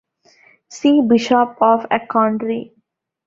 See Bishop of Achonry.